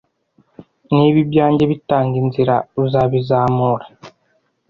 niba ibyanjye bitanga inzira uzabizamura